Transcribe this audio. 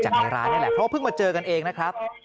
ในร้านนี่แหละเพราะว่าเพิ่งมาเจอกันเองนะครับ